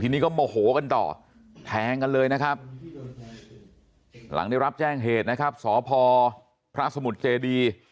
ทีนี้ก็โมโหกันต่อแทงกันเลยนะครับหลังได้รับแจ้งเหตุนะครับสพพระสมุทรเจดี